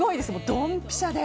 どんぴしゃで。